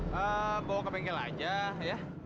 bawa ke bengkel aja ya